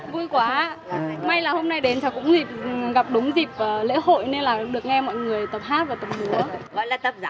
vui quá may là hôm nay đến cháu cũng gặp đúng dịp lễ hội nên là được nghe mọi người tập hát và tập múa